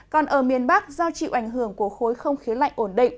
còn ở miền bắc do chịu ảnh hưởng của khối không khí lạnh ổn định